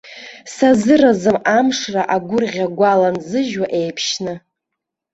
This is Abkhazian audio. Сазыразым амшра агәырӷьа-гәала нзыжьуа еиԥшьны.